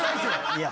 いや